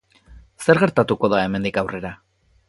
Zer gertatuko da hemendik aurrera?